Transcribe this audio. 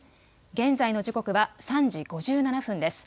現在の時刻は３時５７分です。